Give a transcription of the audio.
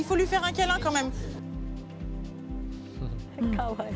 かわいい。